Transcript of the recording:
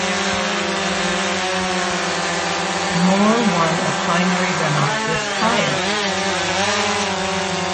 Moore won a primary runoff with Preyer.